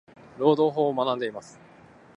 労働法を学んでいます。。